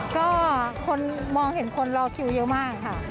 ก็คนมองเห็นคนรอคิวเยอะมากค่ะ